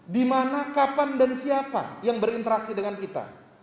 di mana kapan dan siapa yang berinteraksi dengan kita